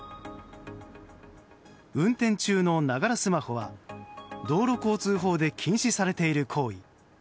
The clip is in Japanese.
運転中のながらスマホは道路交通法で禁止されている行為。